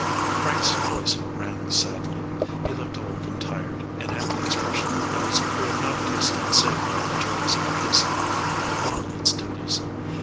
Frank s voice rang sadly. He looked old and tired, and had the expression of those who have not tasted the savor of the joys of this life, only 304 "A RETREAT TO THE GOAL" its duties.